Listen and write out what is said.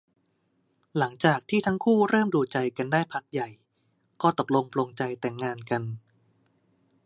หลังจากที่ทั้งคู่เริ่มดูใจกันได้พักใหญ่ ก็ตกลงปลงใจแต่งงานกัน